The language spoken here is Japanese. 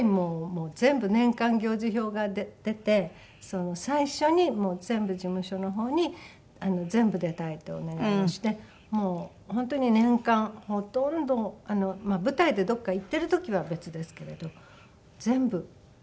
もう全部年間行事表が出て最初にもう全部事務所の方に全部出たいとお願いをしてもう本当に年間ほとんど舞台でどこか行ってる時は別ですけれど全部。